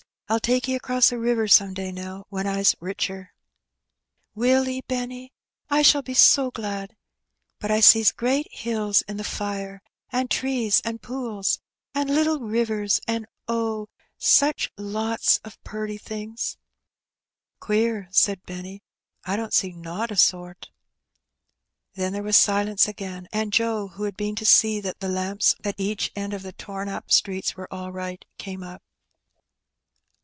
I'll take 'e across the river some day, Nell, when I's richer." "Will 'e, Benny? I shall be so glad. But I sees great hills in the fire, an' trees, an' pools, an' little rivers, an' ohl such lots of purty things." Brother and Sister. 11 '* Queer !^' said Benny. '^I don't see nowt o' sort." Then there was silence again^ and Jc 3 — who had been to see that the lamps at each end of the tom up streets were all right — came up.